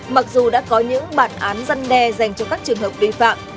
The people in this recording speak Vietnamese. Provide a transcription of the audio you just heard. mặc dù đã có những bản án răn đe dành cho các trường hợp vi phạm